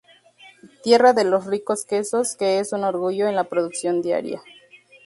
Tierra de los ricos quesos, que es un orgullo en la producción diaria.